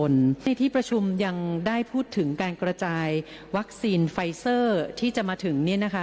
ในที่ประชุมยังได้พูดถึงการกระจายวัคซีนไฟเซอร์ที่จะมาถึง